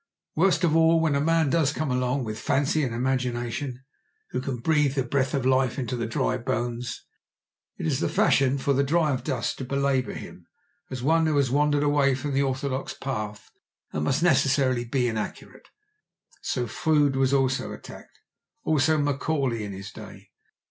Worst of all, when a man does come along with fancy and imagination, who can breathe the breath of life into the dry bones, it is the fashion for the dryasdusts to belabour him, as one who has wandered away from the orthodox path and must necessarily be inaccurate. So Froude was attacked. So also Macaulay in his day.